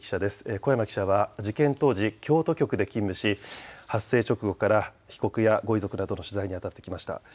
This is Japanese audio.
小山記者は事件当時、京都局で勤務し発生直後から被告やご遺族などの取材にあたってきました。